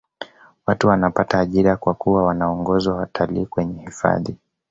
watu wanapata ajira kwa kuwa waongoza watalii kwenye hifadhi